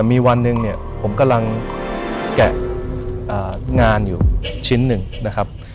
มีวันหนึ่งผมกำลังแกะงานชิ้นหนึ่ง